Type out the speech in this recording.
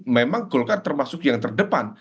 memang golkar termasuk yang terdepan